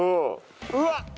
うわっ！